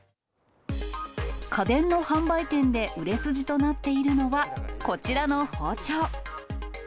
家電の販売店で売れ筋となっているのは、こちらの包丁。